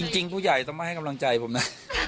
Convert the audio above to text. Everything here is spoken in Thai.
จริงผู้ใหญ่ต้องมาให้กำลังใจผมนะ